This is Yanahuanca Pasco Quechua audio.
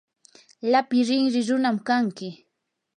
lapi rinri runam kanki.